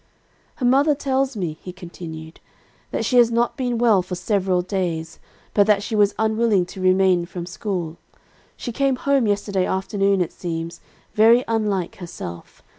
"'Her mother tells me,' he continued, 'that she has not been well for several days, but that she was unwilling to remain from school. She came home yesterday afternoon, it seems, very unlike herself.